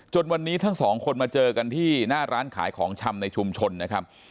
วันนี้ทั้งสองคนมาเจอกันที่หน้าร้านขายของชำในชุมชนนะครับ